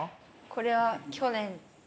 これは去年の。